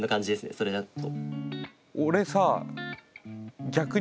それだと。